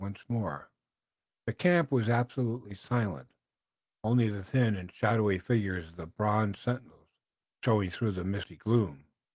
Once more the camp was absolutely silent, only the thin and shadowy figures of the bronze sentinels showing through the misty gloom.